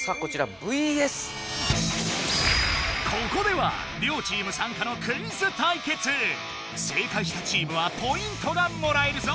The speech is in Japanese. ここでは両チームさんかの正解したチームはポイントがもらえるぞ。